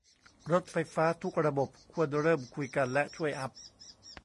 รถไฟฟ้าทุกระบบควรเริ่มคุยกัน และช่วยอัพ